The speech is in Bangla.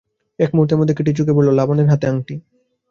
এক মুহূর্তের মধ্যেই কেটির চোখে পড়ল, লাবণ্যর হাতে আংটি।